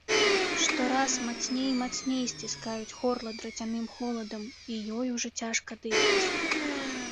Штораз мацней і мацней сціскаюць горла драцяным холадам, і ёй ужо цяжка дыхаць.